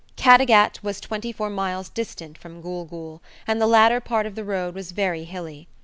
Caddagat was twenty four miles distant from Gool Gool, and the latter part of the road was very hilly.